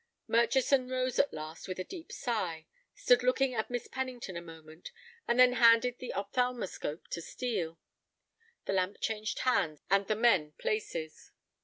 Murchison rose at last with a deep sigh, stood looking at Miss Pennington a moment, and then handed the ophthalmoscope to Steel. The lamp changed hands and the men places.